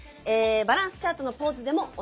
バランスチャートのポーズでもおなじみ。